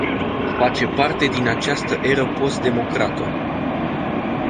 Face parte din această eră post-democrată.